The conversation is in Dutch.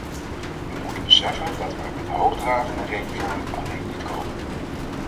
We moeten beseffen dat we er met hoogdravende redevoeringen alleen niet komen.